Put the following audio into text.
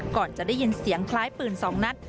ก่อนจะได้ยินเสียงคล้ายปืน๒นัด